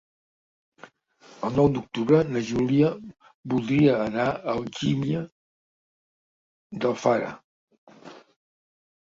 El nou d'octubre na Júlia voldria anar a Algímia d'Alfara.